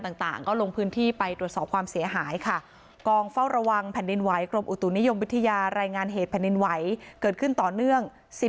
ต่างต่างก็ลงพื้นที่ไปตรวจสอบความเสียหายค่ะกองเฝ้าระวังแผ่นดินไหวกรมอุตุนิยมวิทยารายงานเหตุแผ่นดินไหวเกิดขึ้นต่อเนื่อง